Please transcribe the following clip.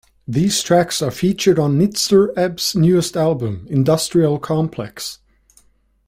These tracks are featured on Nitzer Ebb's newest album, "Industrial Complex".